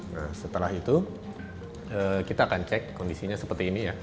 nah setelah itu kita akan cek kondisinya seperti ini ya